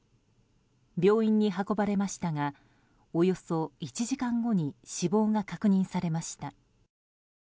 病院に運ばれましたがおよそ１時間後に死亡が確認されました。